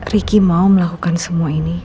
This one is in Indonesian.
riki mau melakukan semua ini